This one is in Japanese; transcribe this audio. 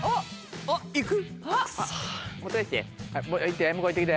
あっいく？